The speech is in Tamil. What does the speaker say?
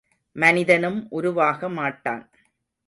மனிதனும் உருவாக மாட்டான்!